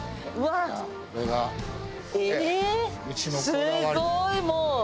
すごいもう。